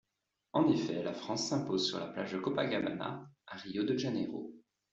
En effet, la France s'impose sur la plage de Copacabana à Rio de Janeiro.